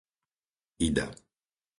Ida